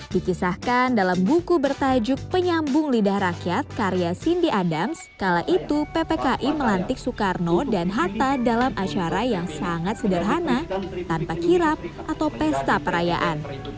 dikisahkan dalam buku bertajuk penyambung lidah rakyat karya cindy adams kala itu ppki melantik soekarno dan hatta dalam acara yang sangat sederhana tanpa kirap atau pesta perayaan